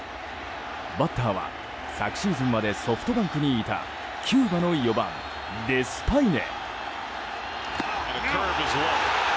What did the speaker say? バッターは昨シーズンまでソフトバンクにいたキューバの４番、デスパイネ。